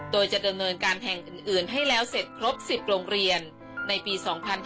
โดยจะดำเนินการแห่งอื่นให้แล้วเสร็จครบ๑๐โรงเรียนในปี๒๕๕๙